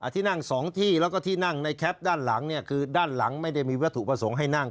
ที่นั่ง๒ที่แล้วก็ที่นั่งในแคปด้านหลังเนี่ยคือด้านหลังไม่ได้มีวัตถุประสงค์ให้นั่ง